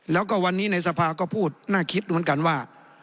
แล้วก็วันนี้ในสภาก็พูดน่าคิดเหมือนกันว่า